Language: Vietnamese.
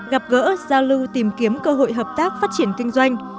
gặp gỡ giao lưu tìm kiếm cơ hội hợp tác phát triển kinh doanh